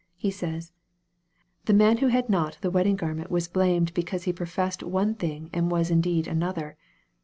He says, " the man who had not the wedding garment was blamed because he professed one thing, and was indeed another.